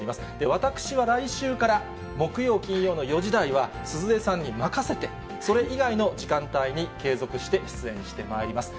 私は来週から、木曜、金曜の４時台は鈴江さんに任せて、それ以外の時間帯に継続して出演してまいります。